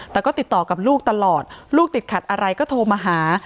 แต่ก็ติดต่อกับลูกตลอดลูกติดขัดอะไรก็โทรมาหา